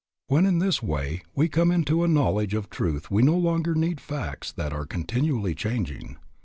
When in this way we come into a knowledge of truth we no longer need facts that are continually changing.